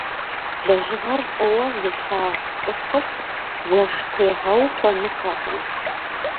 Лэжьыгъэр фӀыуэ зылъагъу цӀыхур зэштегъэу хуэныкъуэкъым.